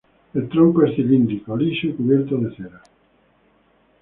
El tronco es cilíndrico, liso y cubierto de cera.